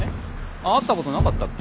会ったことなかったっけ？